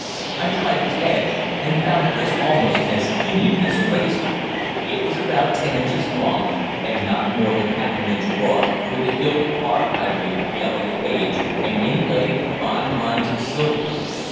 I tried its edge, and found it almost as keen as a razor. It was about ten inches long, and not more than half an inch broad, with a hilt of carved ivory, yellow with age, and inlaid with fine lines of silver.